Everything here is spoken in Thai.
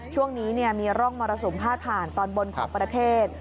ช่วงนี้มีร่องมรสุมพาดผ่านตอนบนของประเทศ